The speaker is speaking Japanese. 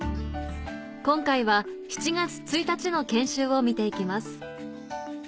今回は７月１日の研修を見て行きます